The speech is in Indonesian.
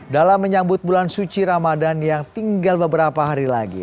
dalam menyambut bulan suci ramadan yang tinggal beberapa hari lagi